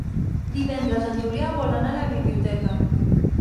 Divendres en Julià vol anar a la biblioteca.